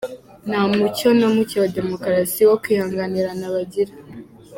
Nta mucyo na muke wa Demokarasi wo kwihanganirana bagira.”